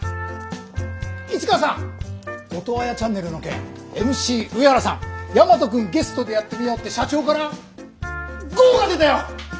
市川さんオトワヤチャンネルの件ＭＣ上原さん大和くんゲストでやってみようって社長からゴーが出たよ。